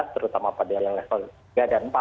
terutama pada yang level tiga dan empat